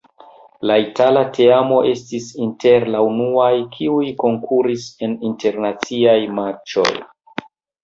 La itala teamo estis inter la unuaj, kiuj konkuris en internaciaj matĉoj.